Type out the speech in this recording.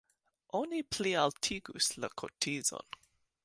Oni plialtigus la kotizon.